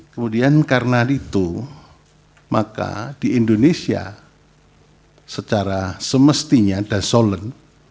kemudian karena itu maka di indonesia secara semestinya ada solent